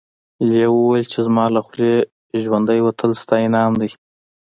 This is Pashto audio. لیوه وویل چې زما له خولې ژوندی وتل ستا انعام دی.